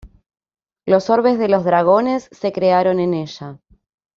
Los orbes de los Dragones se crearon en ella.